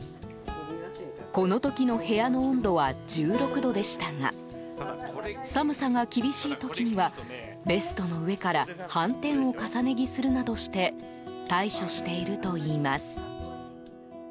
この時の部屋の温度は１６度でしたが寒さが厳しい時にはベストの上からはんてんを重ね着するなどして対処しているといいます。